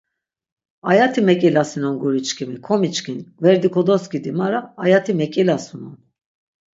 Ayati mek̆ilasunon guri çkimi, komiçkin gverdi kodoskidi mara ayati mek̆ilasunon.